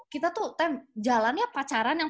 kita tuh jalannya pacaran yang